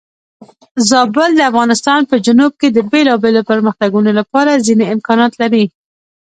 زابل د افغانستان په جنوب کې د بېلابېلو پرمختګونو لپاره ځینې امکانات لري.